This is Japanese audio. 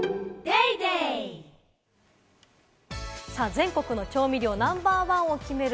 全国の調味料ナンバーワンを決める